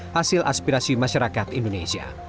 hasil aspirasi masyarakat indonesia